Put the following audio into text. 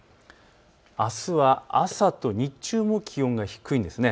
あすは朝と日中も気温が低いんです。